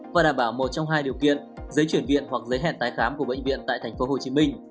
và đảm bảo một trong hai điều kiện giấy chuyển viện hoặc giấy hẹn tái khám của bệnh viện tại thành phố hồ chí minh